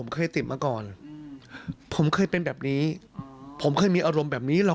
ก็จะเป็นคนดีเนอะ